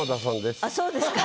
あっそうですか。